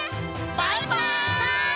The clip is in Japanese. バイバイ！